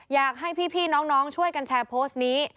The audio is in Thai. อยากให้พี่น้องช่วยกันแชร์โพสต์นี้